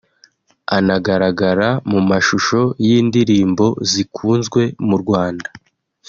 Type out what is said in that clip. anagaragara mu mashusho y’indirimbo zikunzwe mu Rwanda